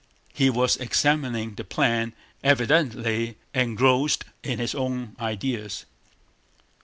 He was examining the plan, evidently engrossed in his own ideas.